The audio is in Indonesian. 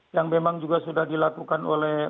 yang memang juga sudah dilakukan oleh